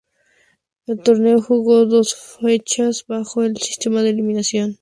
El torneo se jugó dos fechas, bajo el sistema de eliminación directa.